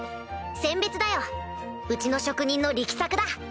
餞別だようちの職人の力作だ。